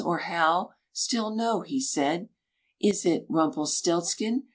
or Hal?" Still "No," he said. "_Is it Rumpelstiltskin?